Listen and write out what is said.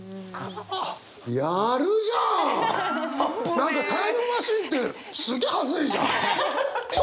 何かタイムマシーンってすげえはずいじゃん！